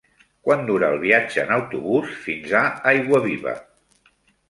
Quant dura el viatge en autobús fins a Aiguaviva?